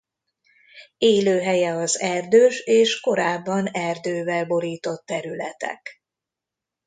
Élőhelye az erdős és korábban erdővel borított területek.